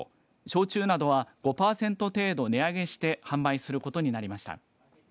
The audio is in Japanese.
焼酎などは５パーセント程度値上げして販売することになりました。